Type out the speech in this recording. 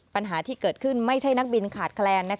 ปัญหาที่เกิดขึ้นไม่ใช่นักบินขาดแคลน